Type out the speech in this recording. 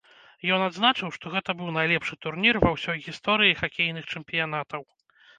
Ён адзначыў, што гэта быў найлепшы турнір ва ўсёй гісторыі хакейных чэмпіянатаў.